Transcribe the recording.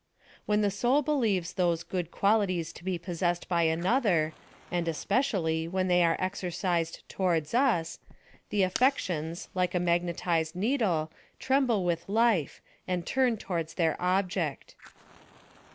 When the soul believes those good qualities to be possessed by another, and especially, when they are exercised towards us, the affections^ like a magnetized needle, tremble with life, and turn towards tlieir object.